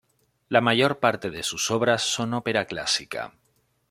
La mayor parte de sus obras son ópera clásica.